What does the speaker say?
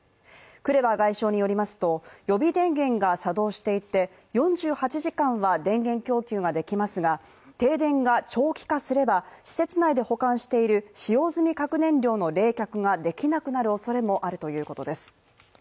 クレバ外相によりますと予備電源が作動していて４８時間は電源供給ができますが停電が長期化すれば施設内で保管している使用済み核燃料の冷却ができなくなるおそれもあるということです。